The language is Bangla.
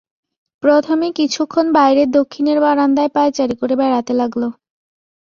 প্রথমে কিছুক্ষণ বাইরের দক্ষিণের বারান্দায় পায়চারি করে বেড়াতে লাগল।